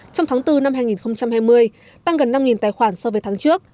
trong tháng bốn năm hai nghìn hai mươi tăng gần năm tài khoản so với tháng trước